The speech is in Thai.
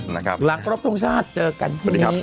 หลังรอบตรงชาติเจอกันทุกอย่าง